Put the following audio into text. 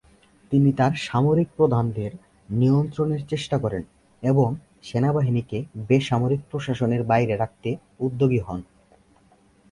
তিনি তার সামরিক প্রধানদের নিয়ন্ত্রণের চেষ্টা করেন এবং সেনাবাহিনীকে বেসামরিক প্রশাসনের বাইরে রাখতে উদ্যোগী হন।